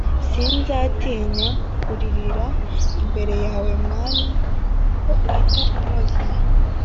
Sinzatinya kuririra imbere yawe mwami kuko uhita umpoza